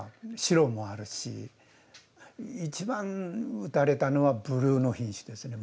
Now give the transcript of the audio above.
一番打たれたのはブルーの品種ですね。